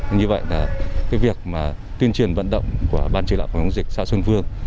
như vậy việc tuyên truyền vận động của ban truyền đạo phòng chống dịch xã xuân vương